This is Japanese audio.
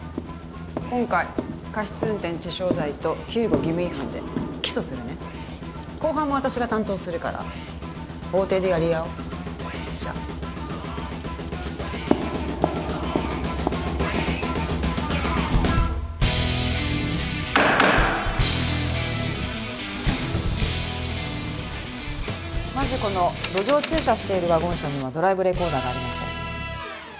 今回過失運転致傷罪と救護義務違反で起訴するね公判も私が担当するから法廷でやり合おうじゃあまずこの路上駐車しているワゴン車にはドライブレコーダーがありません